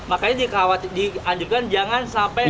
makanya dikawasi diandungkan jangan sampai